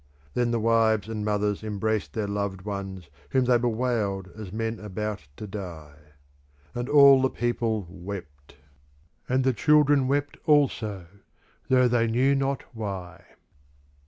Then the wives and mothers embraced their loved ones whom they bewailed as men about to die. And all the people wept. And the children wept also, though they knew not why.